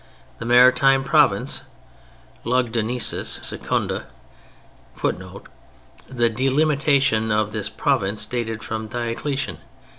The maritime province "Lugdunensis Secunda" [Footnote: The delimitation of this province dated from Diocletian.